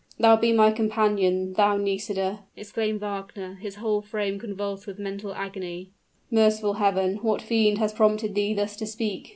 "Thou be my companion thou, Nisida!" exclaimed Wagner, his whole frame convulsed with mental agony. "Merciful Heaven! what fiend has prompted thee thus to speak!